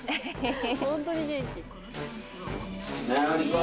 本当に元気。